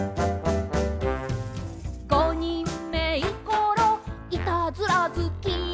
「ごにんめいころいたずら好き」